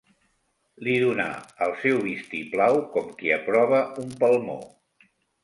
Li donà el seu vistiplau com qui aprova un palmó.